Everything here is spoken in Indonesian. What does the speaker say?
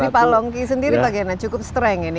jadi pak longki sendiri pak giana cukup strength ini